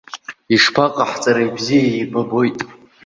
Ишԥаҟаҳҵари, бзиа еибабоит.